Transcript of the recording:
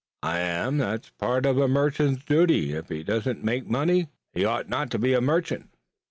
"I am. That's part of a merchant's duty. If he doesn't make money he oughtn't to be a merchant.